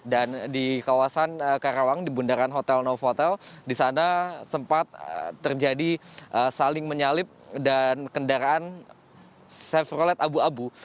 dan di kawasan karawang di bundaran hotel novotel disana sempat terjadi saling menyalip dan kendaraan chevrolet abu abu